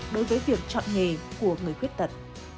đối với việc chọn nghề của người khuyết tật